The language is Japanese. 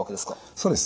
そうです。